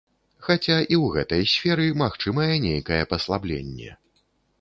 Хаця і ў гэтай сферы магчымае нейкае паслабленне.